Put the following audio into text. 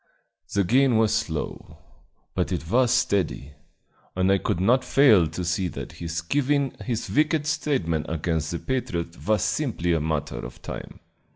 The gain was slow, but it was steady, and I could not fail to see that his giving his wicked testimony against the patriots was simply a matter of time.